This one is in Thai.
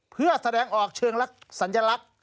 เพื่อแสดงออกเชิงสัญลักษณ์